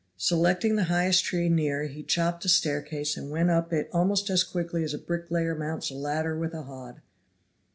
Selecting the highest tree near he chopped a staircase and went up it almost as quickly as a bricklayer mounts a ladder with a hod.